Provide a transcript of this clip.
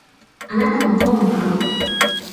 あなたの本を買う。